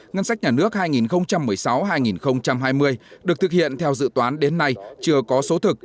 ngân sách nhà nước hai nghìn một mươi sáu hai nghìn hai mươi được thực hiện theo dự toán đến nay chưa có số thực